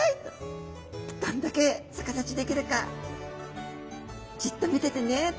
「どんだけ逆立ちできるかじっと見ててね」と。